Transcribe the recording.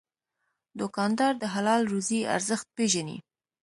دوکاندار د حلال روزي ارزښت پېژني.